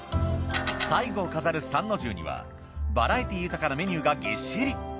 最後を飾る参の重にはバラエティー豊かなメニューがぎっしり。